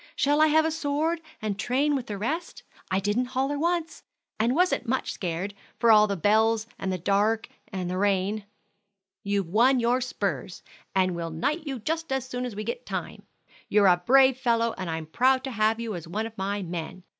Shall I have a sword, and train with the rest? I didn't holler once, and wasn't much scared, for all the bells, and the dark, and the rain." "You've won your spurs, and we'll knight you just as soon as we get time. You're a brave fellow, and I'm proud to have you one of my men.